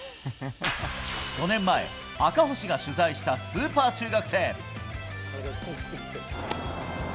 ５年前、赤星が取材したスーパー中学生。